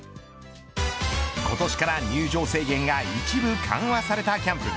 今年から入場制限が一部緩和されたキャンプ。